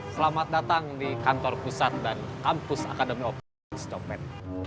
selamat datang di kantor pusat dan kampus akademi operasi dokman